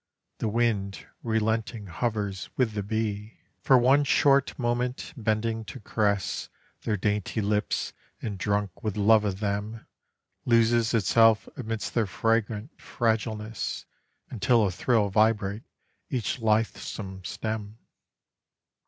The wind relenting hovers with the bee 22 IX CITY CREEK CANYON. For one short moment, bending to caress Their dainty lips, and drunk with love of them Loses itself amidst their fragrant fragileness. Until a thrill vibrate each lithesome stem.